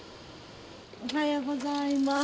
おはようございます。